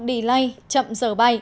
đi lây chậm giờ bay